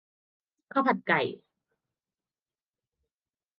ข้าวผัดไก่